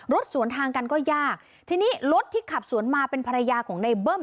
สวนทางกันก็ยากทีนี้รถที่ขับสวนมาเป็นภรรยาของในเบิ้ม